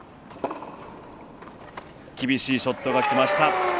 厳しいショットがきました。